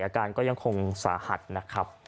อาการก็ยังคงสาหัสนะครับ